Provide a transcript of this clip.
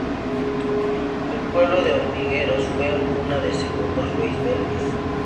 El pueblo de Hormigueros Fue cuna de Segundo Ruiz Belvis.